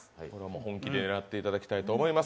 本気で狙っていただきたいと思います。